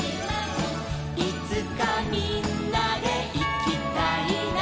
「いつかみんなでいきたいな」